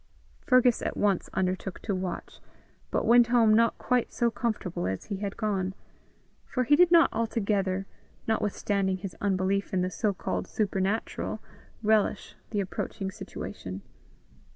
Fergus at once undertook to watch, but went home not quite so comfortable as he had gone; for he did not altogether, notwithstanding his unbelief in the so called supernatural, relish the approaching situation.